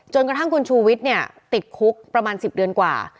จนถึงติดคุกประมาณ๑๐เดือนกว่า